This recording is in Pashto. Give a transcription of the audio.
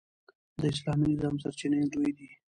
د اسلامي نظام سرچینې دوې دي.